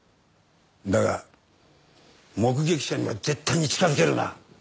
だが目撃者には絶対に近づけるな。